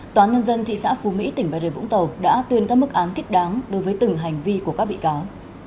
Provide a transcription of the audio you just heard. tòa nhân dân thị xã phú mỹ tỉnh bà rệ vũng tàu đã tuyên các mức án thích đáng đối với từng hành vi của các bị cáo